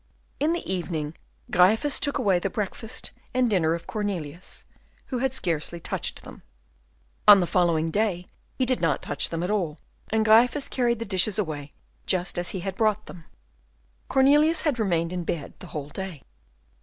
In the evening, Gryphus took away the breakfast and dinner of Cornelius, who had scarcely touched them. On the following day he did not touch them at all, and Gryphus carried the dishes away just as he had brought them. Cornelius had remained in bed the whole day.